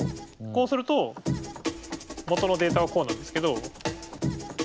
こうすると元のデータはこうなんですけど。